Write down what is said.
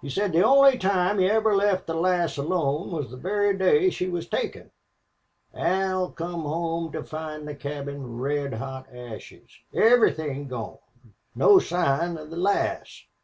"He said the only time he ever left the lass alone was the very day she was taken. Al come home to find the cabin red hot ashes. Everythin' gone. No sign of the lass.